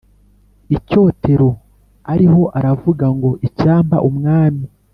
icyotero ariho aravuga ngo Icyampa Umwami